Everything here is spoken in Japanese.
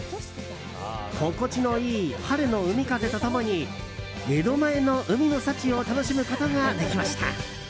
心地のいい春の海風と共に江戸前の海の幸を楽しむことができました。